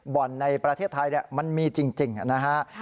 บ่อนในประเทศไทยมันมีจริงนะฮะ